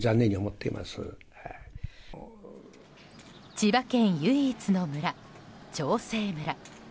千葉県唯一の村、長生村。